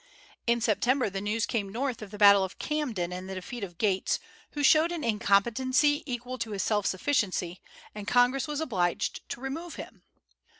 In September the news came North of the battle of Camden and the defeat of Gates, who showed an incompetency equal to his self sufficiency, and Congress was obliged to remove him.